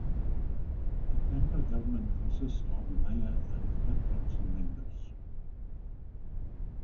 The Tampa government consists of a mayor and five council members.